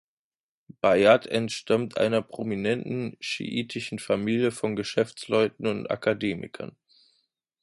Bayat entstammt einer prominenten schiitischen Familie von Geschäftsleuten und Akademikern.